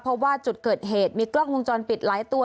เพราะว่าจุดเกิดเหตุมีกล้องวงจรปิดหลายตัว